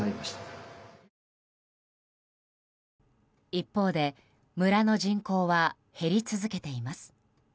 一方で村の人口は減り続けています。